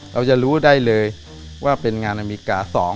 เราจะรู้ได้เลยว่าเป็นงานอเมริกา๒